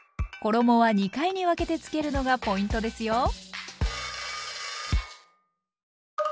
衣は２回に分けてつけるのがポイントですよ！